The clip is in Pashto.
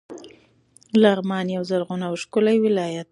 لغمان یو زرغون او ښکلی ولایت ده.